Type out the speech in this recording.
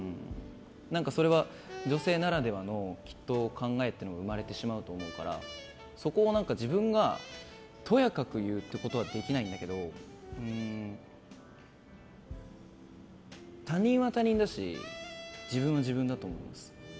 それは女性ならではの考えも生まれてしまうと思うからそこを自分がとやかく言うことはできないんだけど他人は他人だし自分は自分だと思います。